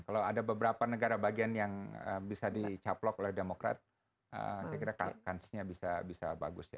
kalau ada beberapa negara bagian yang bisa dicaplok oleh demokrat saya kira kansnya bisa bagus ya